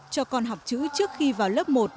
cho con học chữ trước khi vào lớp một